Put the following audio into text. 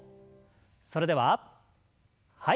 それでははい。